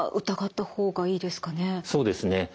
そうですね。